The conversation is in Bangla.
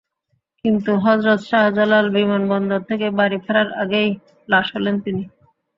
কিন্তু হজরত শাহজালাল বিমানবন্দর থেকে বাড়ি ফেরার আগেই লাশ হলেন তিনি।